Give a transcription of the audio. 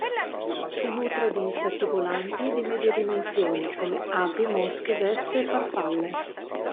Si nutre di insetti volanti di medie dimensioni, come api, mosche, vespe e farfalle.